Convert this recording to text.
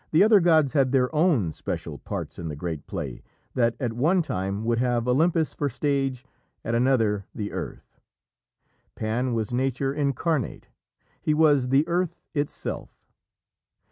The other gods had their own special parts in the great play that at one time would have Olympus for stage, at another the earth. Pan was Nature incarnate. He was the Earth itself.